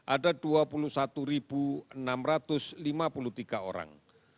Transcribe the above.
ada dua puluh satu enam ratus lima puluh tiga orang